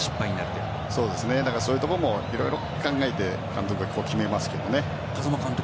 そういうところも色々考えて監督が決めますけどね。